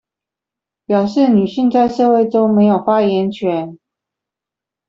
表示女性在社會中沒有發言權